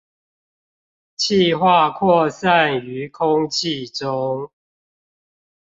汽化擴散於空氣中